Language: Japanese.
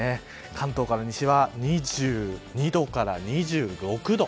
関東から西は２２度から２６度。